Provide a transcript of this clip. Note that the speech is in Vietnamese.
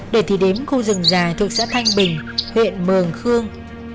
để thì đếm khu rừng dài thuộc xã thanh bình huyện mường khương